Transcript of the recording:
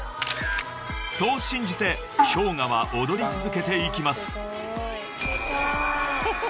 ［そう信じてＨｙＯｇＡは踊り続けていきます］